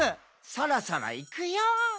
「そろそろいくよー」